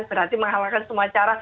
berarti menghalalkan semua cara